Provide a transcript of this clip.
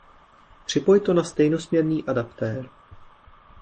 Připoj to na stejnosměrný adaptér.